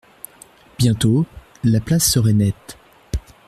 Bientôt, la place serait nette.